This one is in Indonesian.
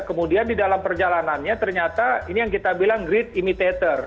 kemudian di dalam perjalanannya ternyata ini yang kita bilang great imitator